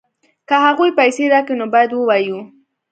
که هغوی پیسې راکوي نو باید ووایو